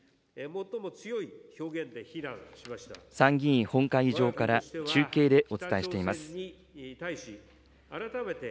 参議院本会議場から、中継でお伝えしています。